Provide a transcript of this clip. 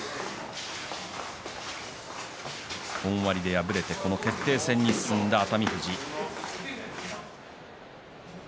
本割で敗れて決定戦に進んだ熱海富士です。